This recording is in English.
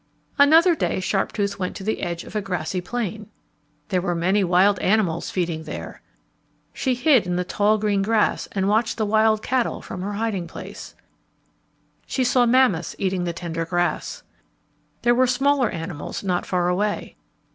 Another day Sharptooth went to the edge of a grassy plain. There were many wild animals feeding there. She hid in the tall green grass and watched the wild cattle from her hiding place. [Illustration: "Sharptooth hid in the tall green grass"] She saw mammoths eating the tender grass. There were smaller animals not far away.